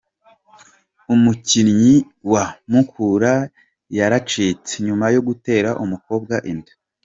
Umukinnyi wa Mukura yaracitse nyuma yo gutera umukobwa inda